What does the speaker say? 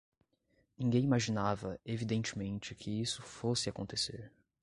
Ninguém imaginava, evidentemente, que isso fosse acontecer